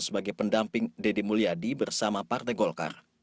sebagai pendamping deddy mulyadi bersama partai golkar